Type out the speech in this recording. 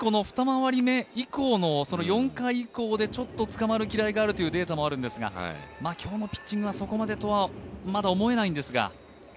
２周目以降の４回以降でつかまるというデータもあるんですが今日のピッチングはそこまでとは、まだ思えないんですが。